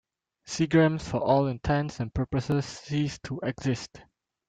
Seagram's for all intents and purposes ceased to exist.